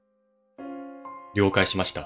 了解しました。